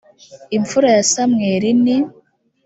imfura ya samweli ni